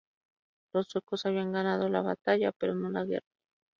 Los suecos habían ganado la batalla, pero no la guerra.